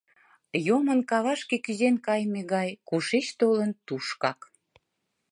— Йомын, кавашке кӱзен кайыме гай, кушеч толын, тушкак...